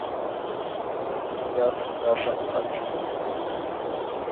她曾冒险于二二八事件中抢救伤患。